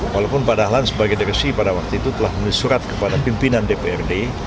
walaupun pak dahlan sebagai direksi pada waktu itu telah menulis surat kepada pimpinan dprd